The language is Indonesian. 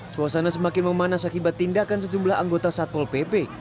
suasana semakin memanas akibat tindakan sejumlah anggota satpol pp